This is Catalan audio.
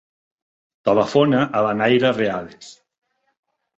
Telefona a la Naira Reales.